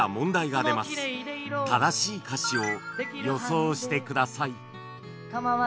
正しい歌詞を予想してください